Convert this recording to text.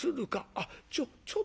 あっちょっ